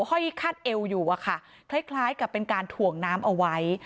ห้อยคาดเอวอยู่อะค่ะคล้ายกับเป็นการถ่วงน้ำเอาไว้